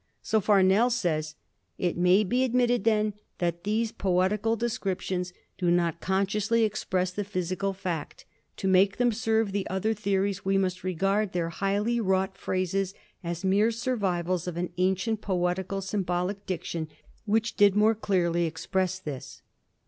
So Farnell says: "It may be admitted, then, that these poetical descriptions do not consciously express the physical fact. To make them serve the other theories we must regard their highly wrought phrases as mere survivals of an ancient poetical symbolic diction which did more clearly express this."